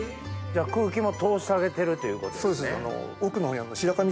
空気も通してあげてるっていうことですね。